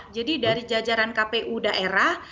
jadi dari jajaran kpu daerah